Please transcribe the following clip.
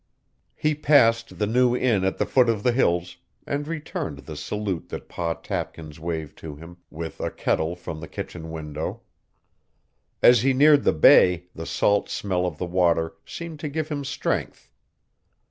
He passed the new inn at the foot of the Hills, and returned the salute that Pa Tapkins waved to him with a kettle from the kitchen window. As he neared the bay the salt smell of the water seemed to give him strength.